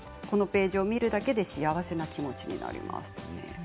このページを見るだけで幸せな気持ちになります。